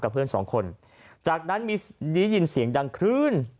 กับเพื่อนสองคนจากนั้นมียินเสียงดังขึ้น